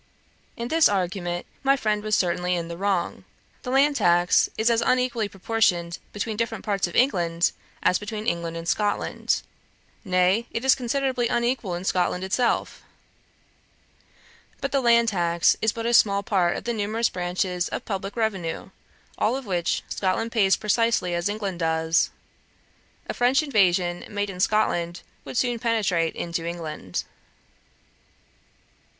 In this argument my friend was certainly in the wrong. The land tax is as unequally proportioned between different parts of England, as between England and Scotland; nay, it is considerably unequal in Scotland itself. But the land tax is but a small part of the numerous branches of publick revenue, all of which Scotland pays precisely as England does. A French invasion made in Scotland would soon penetrate into England.